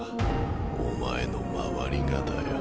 お前の周りがだよ。